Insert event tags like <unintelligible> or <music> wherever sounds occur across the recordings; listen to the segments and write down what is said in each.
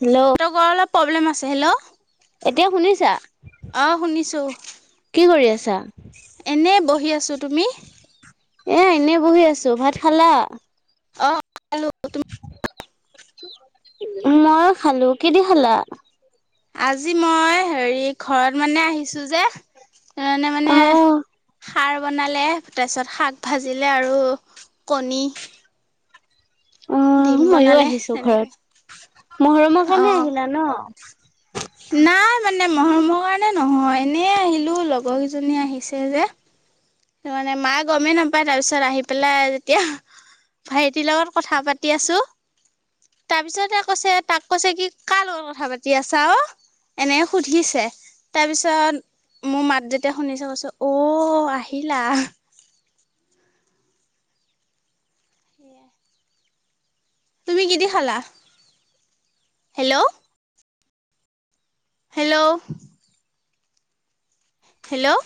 Hello <unintelligible> অলপ problem আছে hello এতিয়া শুনিছা শুনিছো কি কৰি আছা এনেই বহি আছোঁ তুমি এ এনেই বহি আছো ভাত খালা অখালো মই খালো কিদি খালা। আজি মই হেৰি ঘৰত মানে আহিছো যে তানে অ মানে্। সাৰ বনালে তাৰপিছত শাক ভাজিলে আৰু কণী। অ ডিম ময়ো বনালে আহিছো তেনেকে ঘৰতগৰমগহৰমৰ অ কাৰণে আহিলা ন নাই মানে মৰমৰ কাৰণে নহয় এনেই আহিলোঁ লগৰ কেইজনী আহিছে যে মানে মা গমেই নাপায় তাৰপিছত আহি পেলাই তেতিয়া ভাইটিৰ লগত কথা পাতি আছো। তাৰ পিছতে কৈছে তাক কৈছে কি কাৰ লগত কথা পাতি আছা অ এনে সুধিছে তাৰপিছত মোৰ মাত যেতিয়া শুনিছে কৈছো অ আহ ঠিলা তুমি কি দি খালা। Hello hello. হেল্লো'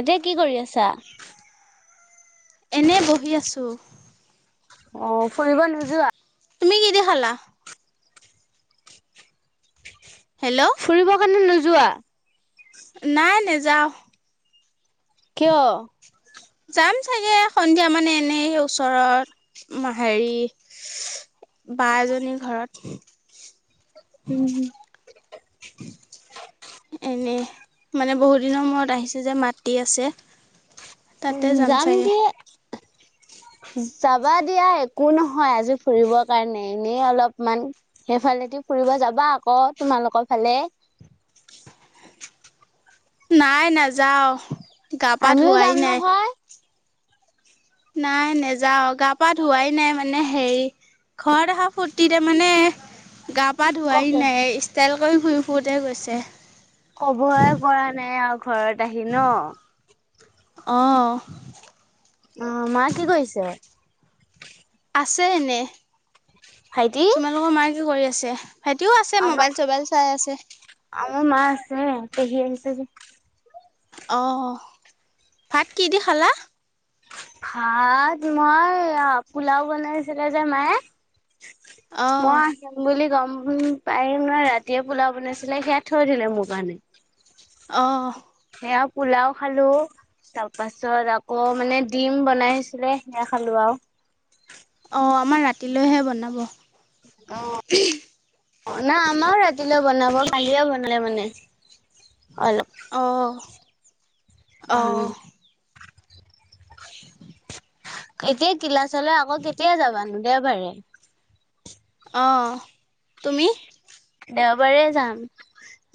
এতিয়া কি কৰি আছা। এনেই বহি আছোঁ। অ ফুৰিব নোযোৱা। তুমিকিদি খালা। হেল্লো'। ফুৰিবৰ কাৰণে নোযোৱা। নাই নেযাও কিয়। যাম চাগে সন্ধিয়া মানে এনেই সেই ওচৰত হেৰি বা এজনীৰ ঘৰত উম <inaudible> এনেই মানে বহুত দিনৰ মূৰত আহিছে যে মাটি আছে তাতে যাম যামচাগেই <inaudible> দিয়ে যাবা দিয়া একো নহয় আজি ফুৰিবৰ কাৰণে এনেই অলপমান সেইফালেদি ফুৰিব যাবা আকৌ তোমালোকৰ ফালে নাই নাযাওঁ গা পা আমিও ধোৱাই যাম নাই নহয় নাই নেযাওঁ গা পা ধোৱাই নাই মানে হেৰি ঘৰত অহা ফূৰ্তিৰে মানে। গা পা ধোৱাই কফে নাই ষ্টাইল কৰি ঘূই ফুৰৰোঁতে গৈছে। কবয়ই পৰা নাই আৰু ঘৰত আহি ন অ অ মা কি কৰিছে আছে এনেই ভাইটি তোমালোকৰ মায়ে কি কৰি আছে সেতিও আছে মোবাইল চবাইল চাই আছে আ মোৰ মা আছে পেহী আহিছে যে। অঁ, ভাত কি দি খালা? ভাত মই পোলাও বনাইছিলে যে মায়ে। অঁ ময়া- যাম বুলি গম পাই নোয়াই ৰাতিয়ে পোলাওঁ বনাইছিলে সেয়া থৈ দিলে মোৰ কাৰণে- অঁ - সেয়া পোলাও খালো- তাৰপাছত আকৌ মানে ডিম বনাই আছিলে সেয়া খালো আৰু- অঁ আমাৰ ৰাতিলৈহে বনাব- অঁ - অঁ নাই আমাৰো ৰাতিলৈ বনাব কালিয় বনালে মানে অলপ- অঁ অ অঁ- এতিয়া কিলাচলৈ আকৌ কেতিয়া যাবানো দেওবাৰে- অঁ তুমি? দেওবাৰে যাম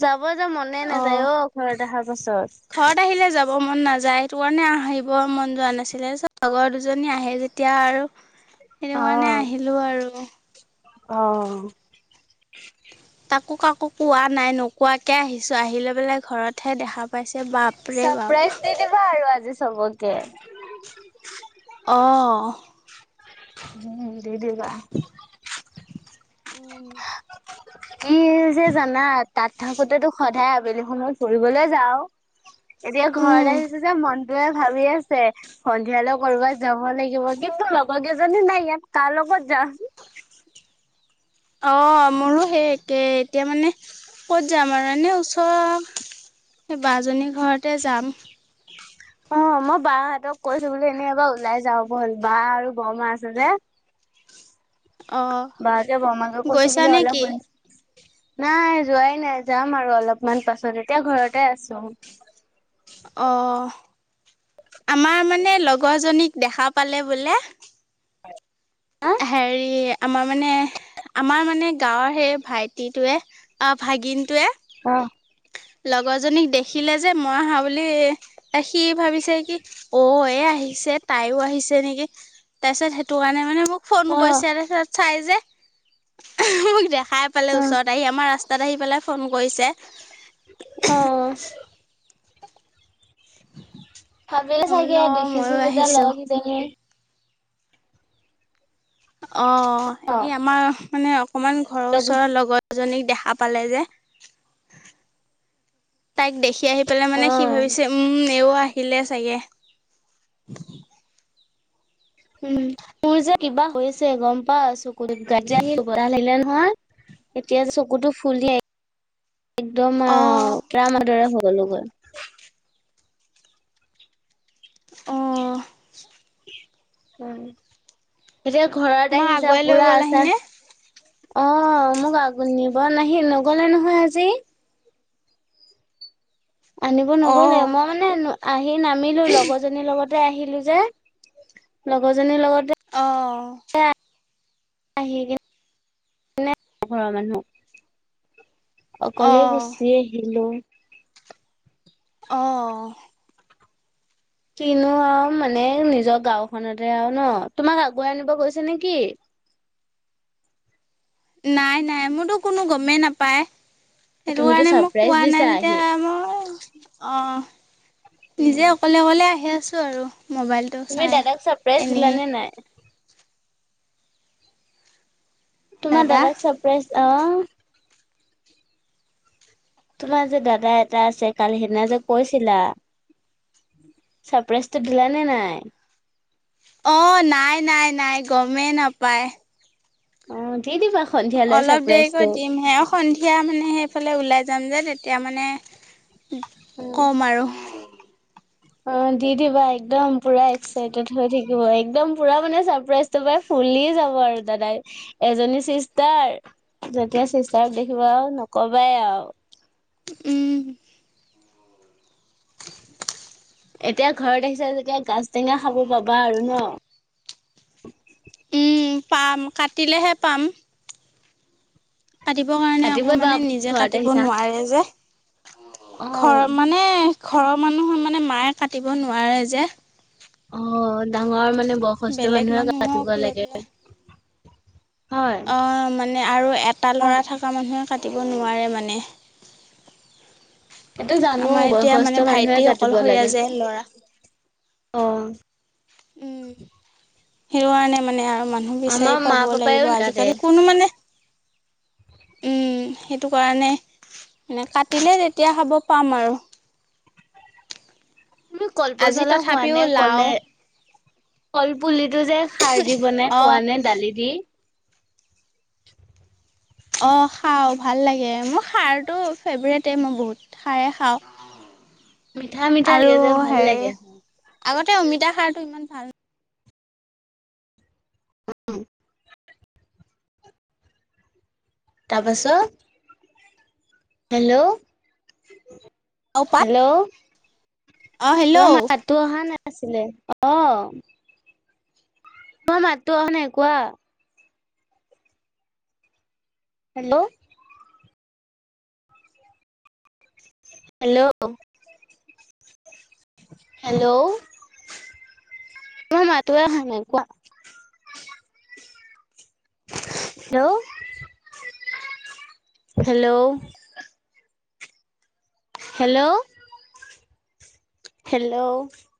যাব যে মনে নাযায় অঁ ঘৰত অহাৰ পাছত- ঘৰত আহিলে যাব মন নাযায় সেইটো কাৰণে আহিব মন যোৱা নাছিলে লগৰ দুজনী আহে যেতিয়া আৰু- সেইটো কাৰণে আহিলো আৰু- অঁ! তাকো কাকো কোৱা নাই নোকোৱাকে আহিছো আহিলে বেলে ঘৰত হে দেখা - পাইছে বাপৰে বাপ- নেৰু আৰু আজি চবকে অহ- উম দেই দেই অ- উম, কি যে জানা তাত থাকোতেতো সদায় আবেলি সময়ত ফুৰিবলৈ যাও- এতিয়া উম ঘৰত আহিচো যে মনটোৱে ভাবি আছে- সন্ধিয়ালৈ কৰবাত যাব লাগিব কিন্তু লগৰ কেইজনী নাই ইয়াত কাৰ লগত যাম- অঁ মোৰো সেই একে এতিয়া মানে ক'ত যাম আৰু এনে ওচ- সেই বাজনী ঘৰতে যাম- অঁ মই বাহঁতক কৈছো এনেই এবাৰ ওলাই যাওঁ ব বা আৰু বৰমা আছে যে- অ' বাকে বমা ক কইচে গৈছা বোলে নে অলপ কি সোনি- নাই যোৱাই নাই যাম আৰু অলপমান পাছত এতিয়া ঘৰতে আছো- অঁ আমাৰ মানে লগৰজনীক দেখা পালে বোলে- হা হেৰি আমাৰ মানে- আমাৰ মানে গাঁৱৰ সেই ভাইটিটোৱে অঁ ভাগিনটোৱে- অঁ - লগৰজনীক দেখিলে যে মই আহা বুলি- সি ভাবিছে কি অঁ এয়া আহিছে তাইও আহিছে নেকি- তাৰিছত সেইটো কাৰণে মানে মোক- ফোন অ কৰিছে তাৰপিছত চাই যে মোক দেখাই পালে ওচৰত আহি আমাৰ ৰাস্তা- তাত আহি পেলাই ফোন কৰিছে- অঁ! ভাবে মই চাগে বোলো অ দেখিছোঁ ময়ো যেতিয়া আহিছো লগৰ কেইজনীৰ - অঁ অ ই আমাৰ মানে অকমান ঘৰৰ লগো ওচৰৰ লগত- এজনীক দেখা পালে যে তাইক দেখি আহি- পেলাই অ মানে কি ভাবিছে উমঁ এও আহিলে চাগে- উমঁ মোৰ যে কিবা হৈছে গম পাও চকু দুটা ৰাতি আহি কুটা আহিলে নহয়- এতিয়া চকুতো ফুলি একদম অ আহও টামাৰ দৰে হৈ গ'ল। অ' উড়, এতিয়া ঘৰত তোমাক আহিছা আগুৱাই লৈ পুৰা গ'ল আছা। আহিনে? অ' মোক আগ নিব নাহি নগ'লে নহয় আজি। আনিব নগ'লে অ'। মই মানে আহি নামিলোঁ, লগৰজনীৰ লগতে আহিলোঁ যে লগৰজনীৰ লগতে অ' আহি কিনে ঘৰৰ মানুহ। অকলে অ', গুছি আহিলোঁ। অ' কিনো আৰু মানে নিজৰ গাওঁখনতে আৰু ন তোমাক আগুৱাই আনিব গৈছে নেকি? নাই নাই মোৰতো কোনো গমেই নাপায়। সেইটো তুমিতো কাৰণে মোক চাৰপ্ৰাইজ কোৱা দিছা নাই আহি যেতিয়া মই অ' নিজে অকলে অকলে আহি আছোঁ আৰু মোবাইল তুমি দাদাক ছাৰপ্ৰাইজ দিলা নে নাই? তোমাৰ দাদা দাদাক চৰপ্ৰাইজ অ' তোমাৰ যে দাদা এটা আছে কালি সেইদিনা যে কৈছিলা। ছাৰপ্ৰাইজটো দিলানে নাই? অ' নাই নাই নাই গমেই নাপায়। অ' দি দিবা। সন্ধিয়ালৈ অলপ দেৰিকৈ চাৰপ্ৰাইজটো দিম হে। সন্ধিয়া মানে সেইফালে ওলাই যাম যে তেতিয়া মানে ক'ম আৰু অ' দি দিবা একদম পুৰা এক্সাইটেড হৈ থাকিব। একদম পুৰা মানে চাৰপ্ৰাইজ তোৰ পাই ফুলিয় যাব আৰু দাদাই এজনী চিষ্টাৰ যেতিয়া চিষ্টাৰক দেখিবা আৰু নকবাই আৰু উম। ‌ এতিয়া ঘৰত আহিছে যেতিয়া গাজ টেঙা খাব পাবা আৰু ন উম, পাম কাটিলেহে পাম। কাটিবৰ কাৰণে আকৌ কাটিবই বা মানে নিজে ঘৰত কাটিব আহিছা নোৱাৰে যে অ ঘৰ মানে ঘৰৰ মানুহৰ মানে মায়ে কাটিব নোৱাৰে যে অ' ডাঙৰ মানে বয়সস্থ বেলেগ মানুহে কাটিব মানুহক লৈ লাগে। হয় অ' মানে আৰু এটা ল'ৰা থকা মানুহে কাটিব নোৱাৰে মানে। এইটো জানোঁ আমাৰ এতিয়া বয়সস্থ মানে মানুহে ভাইটি কাটিব অকলশৰীয়া লাগে যে ল'ৰা অ'। উম, হেইৱণে মানে। আৰু মানুহ বিচাৰি আমাৰ মা পাব পাপায়ও লাগিব। নাকাটে আজিকালি কোনো মানে উম, সেইটো কাৰণে মানে কাটিলে তেতিয়া হ'ব পাম আৰু তুমি আজি কলপচলা খোৱা তথাপিও নে লাও ক'লে? কলপুলিতটো যে সাৰ দি বনাই খোৱা অঁ নে দালি দি? অ' খাওঁ ভাল লাগে। মোৰ সাৰটো ফেভৰেটেই মই বহুত সাৰেই খাওঁ। মিঠা মিঠা লাগে আৰু যে ভাল হেৰি লাগে। আগতে অমিতা সাৰ টো ইমান ভাল। উম। তাৰপাছত। হেল্ল' নাপাওঁ পাত হেল্ল' অ', তোমাৰ হেল্ল' মাত তো অহা নাছিলে অ' তোমাৰ মাটতো অহা নাই কোৱা। হেল্ল'? হেল্ল'? হেল্ল'? তম ত হয়নেকোৱা। <unintelligible> হেল্ল'? হেল্ল'? হেল্ল'? হেল্ল'?